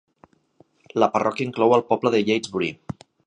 La parròquia inclou el poble de Yatesbury.